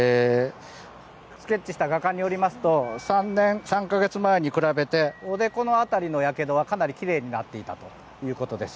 スケッチした画家によりますと３年３か月前に比べておでこの辺りのやけどはかなり奇麗になっていたということです。